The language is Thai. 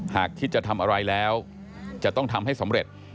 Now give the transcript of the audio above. หากคิดจะทำอะไรแล้วจะต้องทำให้สำเร็จ